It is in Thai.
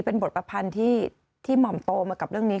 เป็นบทประพันธ์ที่หม่อมโตมากับเรื่องนี้